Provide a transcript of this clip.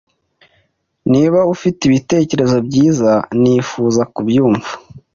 Niba ufite ibitekerezo byiza nifuza kubyumva.